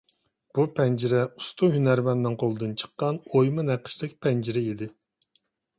بۇ پەنجىرە ئۇستا ھۈنەرۋەننىڭ قولىدىن چىققان ئويما نەقىشلىك پەنجىرە ئىدى.